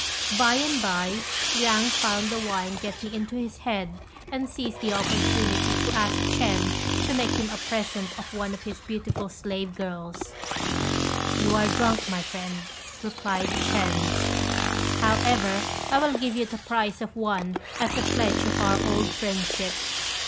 By and by, Liang found the wine getting into his head, and seized the opportunity to ask Ch'ên to make him a present of one of his beautiful slave girls. "You are drunk, my friend," replied Ch'ên; "however, I will give you the price of one as a pledge of our old friendship."